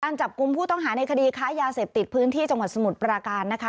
จับกลุ่มผู้ต้องหาในคดีค้ายาเสพติดพื้นที่จังหวัดสมุทรปราการนะคะ